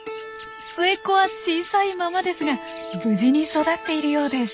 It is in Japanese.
末っ子は小さいままですが無事に育っているようです。